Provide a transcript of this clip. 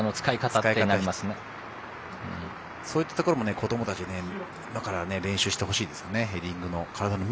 そういったところも子どもたちは今から練習してもらいたいですね。